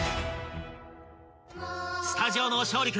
［スタジオの勝利君